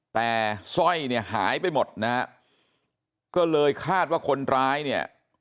แต่สร้อยเนี่ยหายไปหมดนะฮะก็เลยคาดว่าคนร้ายเนี่ย